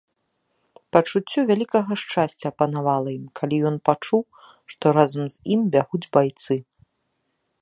Пачуццё вялікага шчасця апанавала ім, калі ён пачуў, што разам з ім бягуць байцы.